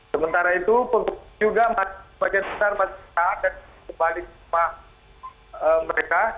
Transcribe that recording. sementara itu juga bagian besar masih tak ada kembali ke rumah mereka